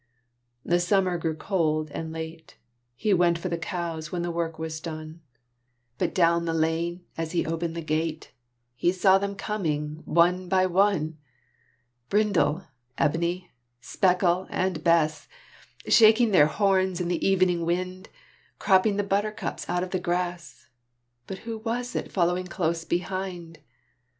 The summer day grew cold and late. He went for the cows when the work was done; But down the lane, as he opened the gate, He saw them coming, one by one, Brindle, Ebony, Speckle, and Bess, Shaking their horns in the evening wind; Cropping the buttercups out of the grass, But who was it following close behind?